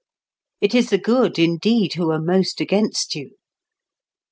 It is the good, indeed, who are most against you.